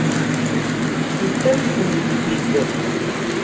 Ṭṭfent-am-tent-id.